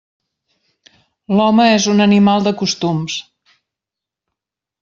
L'home és un animal de costums.